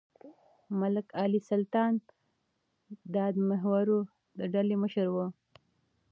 ملک علي سلطان د آدمخورو د ډلې مشر و.